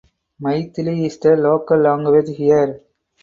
Maithili is the Local Language here.